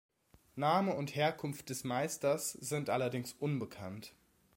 Name und Herkunft des Meisters sind allerdings unbekannt.